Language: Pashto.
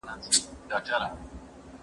هغه وويل چي پوښتنه مهمه ده!!